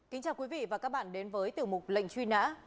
kính chào quý vị và các bạn đến với tiểu mục lệnh truy nã